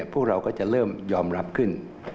พวกเราก็จะเริ่มยอมรับขึ้น